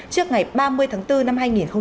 trước ngày ba mươi tháng bốn năm hai nghìn hai mươi